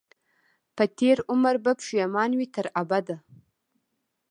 په تېر عمر به پښېمان وي تر ابده